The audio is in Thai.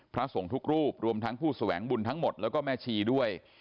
พระสงฆ์ทุกรูปรวมทั้งผู้แสวงบุญทั้งหมดแล้วก็แม่ชีด้วย